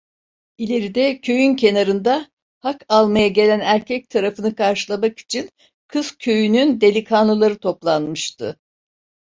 İleride, köyün kenarında, "hak almaya" gelen erkek tarafını karşılamak için kız köyünün delikanlıları toplanmıştı.